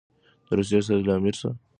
د روسیې استازي له امیر سره وکتل.